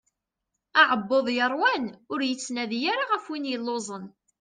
Aɛebbuḍ yeṛwan ur yettnadi ara ɣef win yelluẓen.